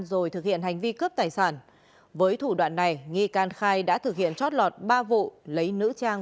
rồi thực hiện hành vi cướp tài sản với thủ đoạn này nghi can khai đã thực hiện chót lọt ba vụ lấy nữ trang